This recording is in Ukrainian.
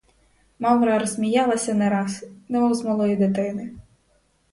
Мавра розсміялася нараз, мов з малої дитини.